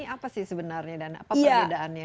apa sih sebenarnya dan apa perbedaannya